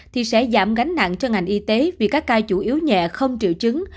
thì sẽ giảm gánh nặng cho ngành y tế vì các ca chủ yếu nhẹ không triệu chứng